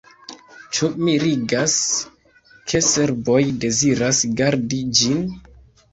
Ĉu mirigas, ke serboj deziras gardi ĝin?